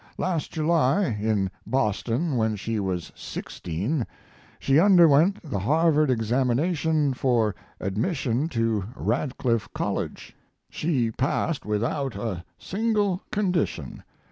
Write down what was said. Last July, in Boston, when she was 16 she underwent the Harvard examination for admission to Radcliffe College. She passed without a single condition.